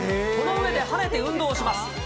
この上で跳ねて運動します。